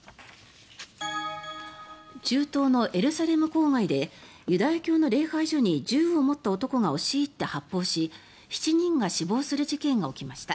中東のエルサレム郊外のユダヤ教の礼拝所に銃を持った男が押し入って発砲し７人が死亡する事件が起きました。